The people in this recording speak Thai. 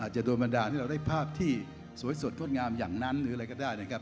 จะโดนบรรดาที่เราได้ภาพที่สวยสดงดงามอย่างนั้นหรืออะไรก็ได้นะครับ